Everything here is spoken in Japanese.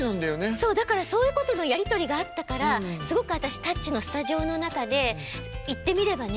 だからそういうことのやり取りがあったからすごく私「タッチ」のスタジオの中で言ってみればね